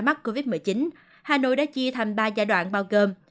mắc covid một mươi chín hà nội đã chia thành ba giai đoạn bao gồm